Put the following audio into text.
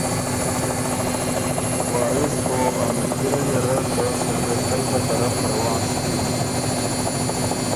وارث او ا ملګرئ یه ره ته سُروېکئ په طرف روان سُکِن۔